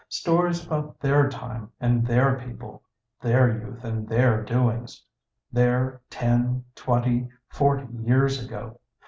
— stories about their time and their people, their youth and their doings; their ten, twenty, forty years ago.